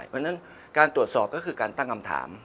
เพราะฉะนั้นการตรวจสอบก็คือการตั้งคำถาม